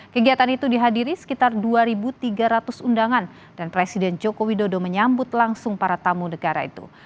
kegiatan itu dihadiri sekitar dua tiga ratus undangan dan presiden joko widodo menyambut langsung para tamu negara itu